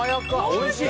おいしい！